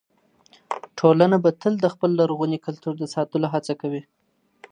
ټولنه به تل د خپل لرغوني کلتور د ساتلو هڅه کوي.